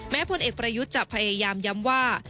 พลเอกประยุทธ์จะพยายามย้ำว่า